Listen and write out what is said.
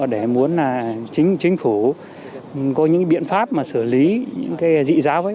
để muốn chính phủ có những biện pháp mà xử lý dị giáo